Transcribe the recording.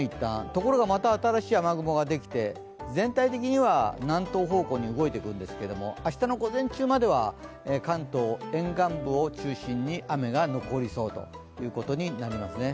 ところがまた新しい雨雲ができて、全体的には南東方向に動いていくんですけど、明日の午前中までは関東沿岸部を中心に雨が残りそうということになりますね。